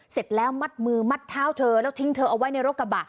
เสร็จแล้วมัดมือมัดเท้าเธอแล้วทิ้งเธอเอาไว้ในรถกระบะ